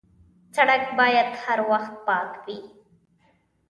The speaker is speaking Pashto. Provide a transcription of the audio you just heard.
سړک باید هر وخت پاک وي.